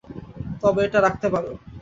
তবে এটা রাখতে পারো।